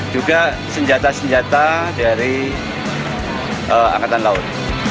juga senjata senjata dari angkatan laut